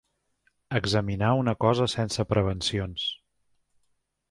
Examinar una cosa sense prevencions.